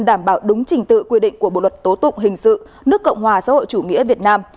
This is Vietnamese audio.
đảm bảo đúng trình tự quy định của bộ luật tố tụng hình sự nước cộng hòa xã hội chủ nghĩa việt nam